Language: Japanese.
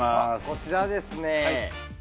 こちらですね。